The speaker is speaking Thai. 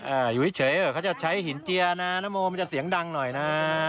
อยู่เฉยเออเขาจะใช้หินเจียนะนโมมันจะเสียงดังหน่อยนะ